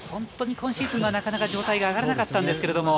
今シーズンはなかなか状態が上がらなかったんですけど。